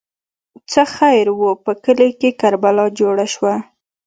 ـ څه خیر وو، په کلي کې کربلا جوړه شوه.